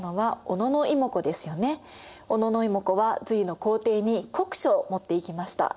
小野妹子は隋の皇帝に国書を持っていきました。